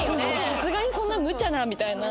さすがにそんなむちゃなみたいな。